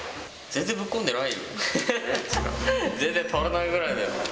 全然足らないぐらいだよ。